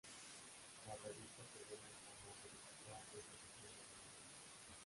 La revista se vende en formato digital desde su primer número.